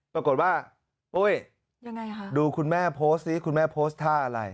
ปรากฏว่าอุ้ยดูคุณแม่โพสต์ซิคุณแม่โพสต์ท่าอะไร